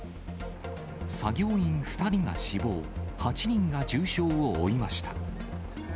作業員２人が死亡、８人が重傷を負いました。